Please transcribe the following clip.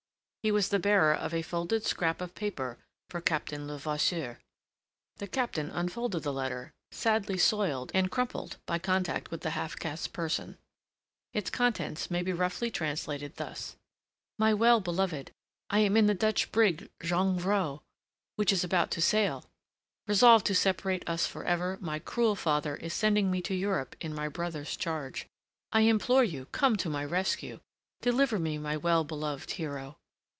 He was the bearer of a folded scrap of paper for Captain Levasseur. The Captain unfolded the letter, sadly soiled and crumpled by contact with the half caste's person. Its contents may be roughly translated thus: "My well beloved I am in the Dutch brig Jongvrow, which is about to sail. Resolved to separate us for ever, my cruel father is sending me to Europe in my brother's charge. I implore you, come to my rescue. Deliver me, my well beloved hero!